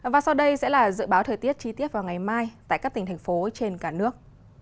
và sau đây sẽ là dự báo thời tiết chi tiết vào ngày mai tại các tỉnh thành phố trên cả nước